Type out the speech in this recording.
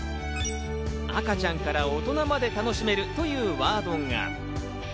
赤ちゃんから大人まで楽しめる！というワードが。